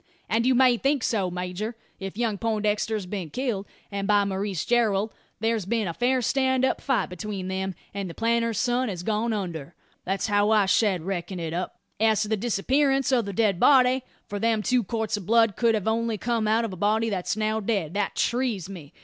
"And you may think so, major. If young Poindexter's been killed, and by Maurice Gerald, there's been a fair stand up fight atween them, and the planter's son has gone under. That's how I shed reckon it up. As to the disappearance o' the dead body for them two quarts o' blood could only have come out o' a body that's now dead that trees me.